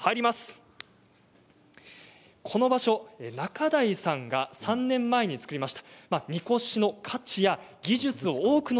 この場所、中臺さんが３年前に作りました。